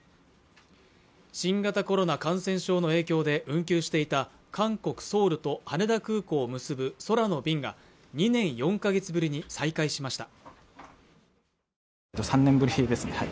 新型コロナ感染症の影響で運休していた韓国・ソウルと羽田空港を結ぶ空の便が２年４か月ぶりに再開しました